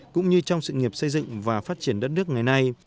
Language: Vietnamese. cũng như trong sự nghiệp xây dựng và phát triển đất nước ngày nay